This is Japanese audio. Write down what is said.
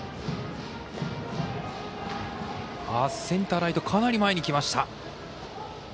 センター、ライトかなり前に来ました。